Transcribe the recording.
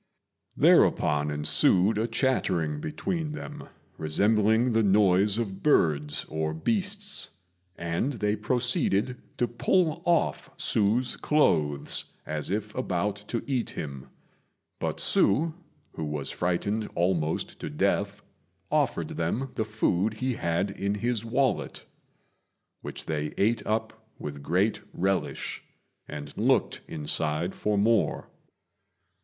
Thereupon ensued a chattering between them, resembling the noise of birds or beasts, and they proceeded to pull off Hsü's clothes as if about to eat him; but Hsü, who was frightened almost to death, offered them the food he had in his wallet, which they ate up with great relish, and looked inside for more.